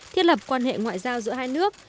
thiết lập quan hệ ngoại giao giữa hai nước